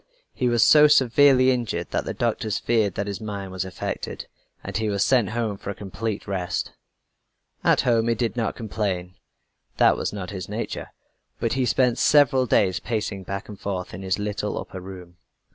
He was so severely injured that the doctors feared that his mind was affected, and he was sent home for a complete rest. At home he did not complain that was not his nature but he spent several days pacing back and forth in his little upper room.